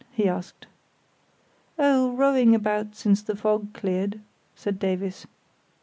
he asked. "Oh, rowing about since the fog cleared," said Davies.